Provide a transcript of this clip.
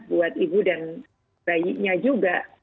buat ibu dan bayinya juga